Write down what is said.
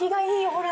ほら！